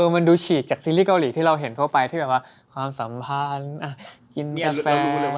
มันดูฉีกจากซีรีส์เกาหลีที่เราเห็นทั่วไปที่แบบว่าความสัมพันธ์กินกาแฟ